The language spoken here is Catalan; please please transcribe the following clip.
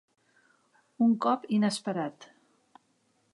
Un cop inesperat.